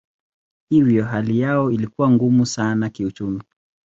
Hivyo hali yao ilikuwa ngumu sana kiuchumi.